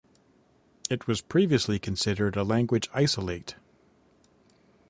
It was previously considered a language isolate.